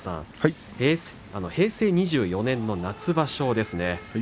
平成２４年の夏場所ですね。